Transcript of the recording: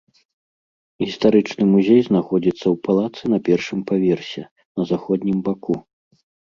Гістарычны музей знаходзіцца ў палацы на першым паверсе, на заходнім баку.